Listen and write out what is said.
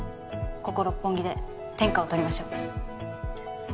ここ六本木で天下を取りましょう。